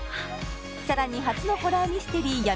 さらに初のホラーミステリー